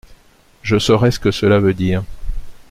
Je saurai ce que cela veut dire.